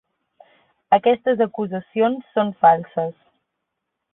Aquestes acusacions són falses.